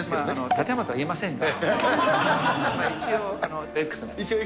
館山とは言えませんが、一応、Ｘ。